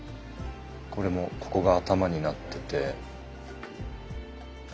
これもここが頭になってて。